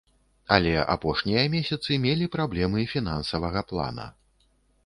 Але апошнія месяцы мелі праблемы фінансавага плана.